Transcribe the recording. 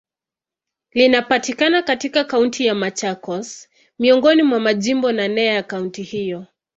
Linapatikana katika Kaunti ya Machakos, miongoni mwa majimbo naneya kaunti hiyo.